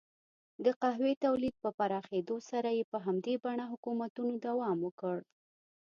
د قهوې تولید په پراخېدو سره یې په همدې بڼه حکومتونو دوام وکړ.